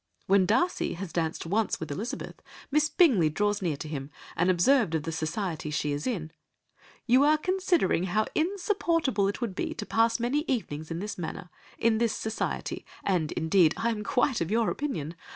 When Darcy has danced once with Elizabeth, Miss Bingley draws near to him, and observes of the society she is in— "'You are considering how insupportable it would be to pass many evenings in this manner—in this society, and indeed I am quite of your opinion.